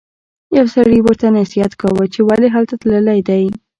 یو سړي ورته نصیحت کاوه چې ولې هلته تللی دی.